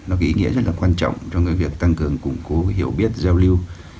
nó có ý nghĩa rất là quan trọng trong cái việc tăng cường củng cố hiểu biết giao lưu